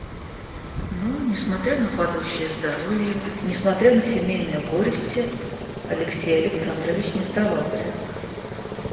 Но, несмотря на падающее здоровье, несмотря на семейные горести, Алексей Александрович не сдавался.